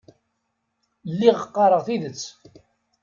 Lliɣ qqareɣ tidet.